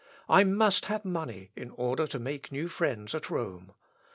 I must have money in order to make new friends at Rome.